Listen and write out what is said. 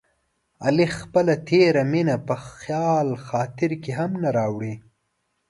علي خپله تېره مینه په خیال خاطر کې هم نه راوړي.